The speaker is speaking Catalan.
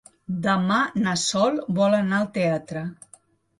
Demà na Sol vol anar al teatre.